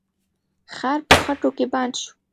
خر په خټو کې بند شو.